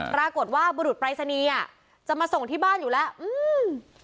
ปรากฏว่าบุรุษปรายศนีย์อ่ะจะมาส่งที่บ้านอยู่แล้วอืม